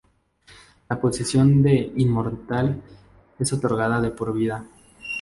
La posición de "Inmortal" es otorgada de por vida.